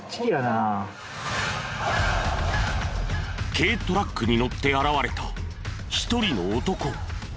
軽トラックに乗って現れた一人の男。